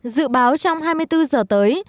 dự báo trong hai mươi bốn giờ tới